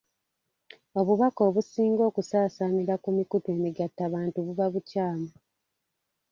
Obubaka obusinga okusaasaanira ku mikutu emigattabantu buba bukyamu.